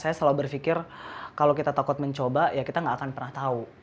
saya selalu berpikir kalau kita takut mencoba ya kita gak akan pernah tahu